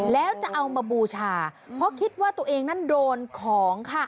แล้วจะเอามาบูชาเพราะคิดว่าตัวเองนั้นโดนของค่ะ